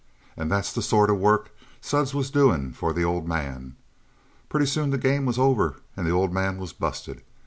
And that's the sort of work Suds was doing for the old man. Pretty soon the game was over and the old man was busted.